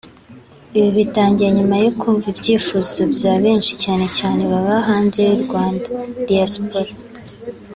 Ibi bitangiye nyuma yo nkumva ibyifuzo bya benshi cyane cyane ababa hanze y'u Rwanda (Diaspora)